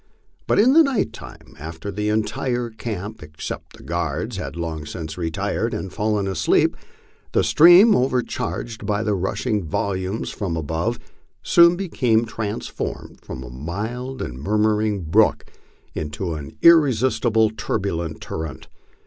But in the night time, after the entire camp except the guards had long since retired and fallen asleep, the stream, overcharged by the rushing volumes from above, soon became transformed from a mild and murmuring brook into an irresisti ble, turbulent torrent.